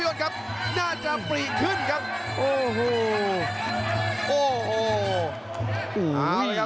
โอ้โห